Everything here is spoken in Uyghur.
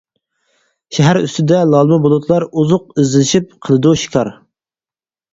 شەھەر ئۈستىدە لالما بۇلۇتلار ئوزۇق ئىزدىشىپ قىلىدۇ شىكار.